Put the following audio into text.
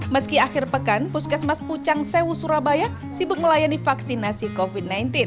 meski akhir pekan puskesmas pucang sewu surabaya sibuk melayani vaksinasi covid sembilan belas